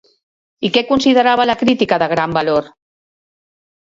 I què considerava la crítica de gran valor?